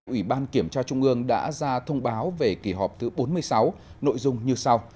ủy ban kiểm tra trung ương đã ra thông báo về kỳ họp thứ bốn mươi sáu nội dung như sau